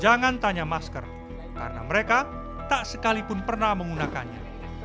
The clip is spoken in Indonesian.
jangan tanya masker karena mereka tak sekalipun pernah menggunakannya